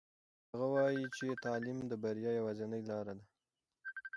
هغه وایي چې تعلیم د بریا یوازینۍ لاره ده.